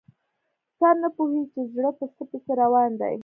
سر نه پوهېږي چې زړه په څه پسې روان دی.